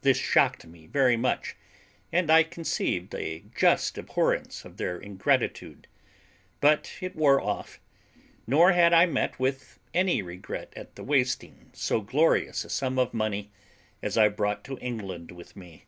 This shocked me very much, and I conceived a just abhorrence of their ingratitude; but it wore off; nor had I met with any regret at the wasting so glorious a sum of money as I brought to England with me.